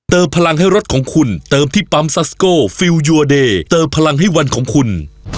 พลังให้รถของคุณเติมที่ปั๊มซัสโกฟิลยูอเดย์เติมพลังให้วันของคุณ